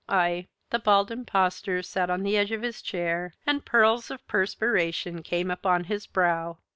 I " The Bald Impostor sat on the edge of his chair and pearls of perspiration came upon his brow.